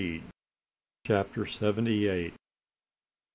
CHAPTER SEVENTY EIGHT.